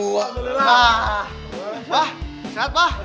wah sehat mba